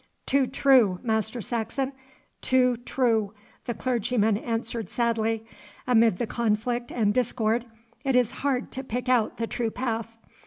'Too true, Master Saxon, too true!' the clergyman answered sadly. 'Amid the conflict and discord it is hard to pick out the true path.